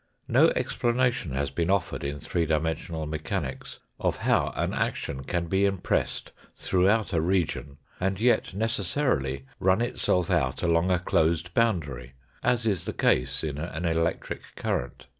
No explanation has been offered in three dimensional mechanics of how an action can be impressed throughout a region and yet necessarily run itself out along a closed boundary, as is the case in an electric current.